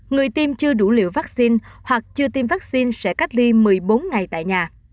người tiêm chưa đủ liều vaccine hoặc chưa tiêm vaccine sẽ cách ly một mươi bốn ngày tại nhà